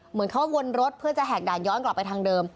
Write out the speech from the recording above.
เหมือนเขาวนรถเพื่อจะแหกด่านย้อนกลับไปทางเดิม